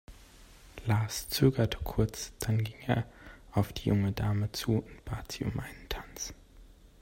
Lars zögerte kurz, dann ging er auf die junge Dame zu und bat sie um einen Tanz.